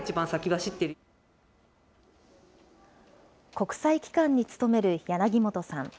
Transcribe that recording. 国際機関に勤める柳本さん。